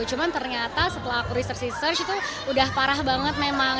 cuman ternyata setelah aku research research itu udah parah banget memang